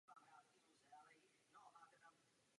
Souostroví je oblíbeným turistickým cílem.